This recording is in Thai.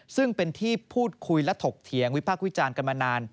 ซึ่งเป็นที่พูดคุยและถกเถียงวิพากษ์วิจารณ์กันมานาน